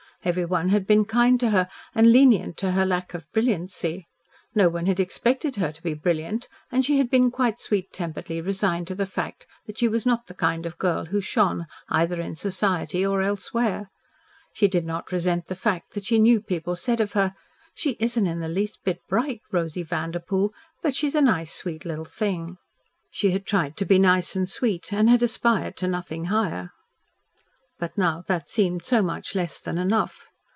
Everyone had been kind to her and lenient to her lack of brilliancy. No one had expected her to be brilliant, and she had been quite sweet temperedly resigned to the fact that she was not the kind of girl who shone either in society or elsewhere. She did not resent the fact that she knew people said of her, "She isn't in the least bit bright, Rosy Vanderpoel, but she's a nice, sweet little thing." She had tried to be nice and sweet and had aspired to nothing higher. But now that seemed so much less than enough.